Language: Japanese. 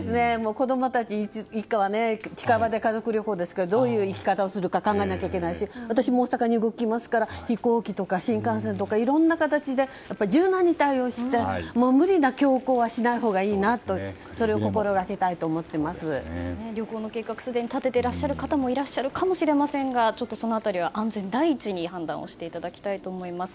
子供たち一家は近場で家族旅行ですからどういう行き方をするか考えなきゃいけないし私も大阪に動きますから飛行機とか新幹線いろんな形で柔軟に対応して無理な強行はしないほうがいいなと旅行の計画をすでに立てていらっしゃる方もいらっしゃるかもしれませんがその辺りは安全第一に判断していただきたいと思います。